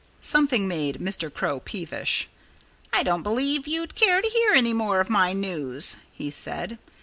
Something made Mr. Crow peevish. "I don't believe you'd care to hear any more of my news," he said.